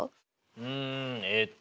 うんえっと